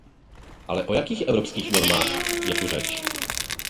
Ale o jakých evropských normách je tu řeč?